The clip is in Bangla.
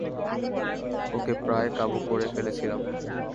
ওকে প্রায় কাবু করে ফেলেছিলাম।